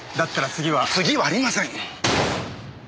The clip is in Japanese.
次はありません！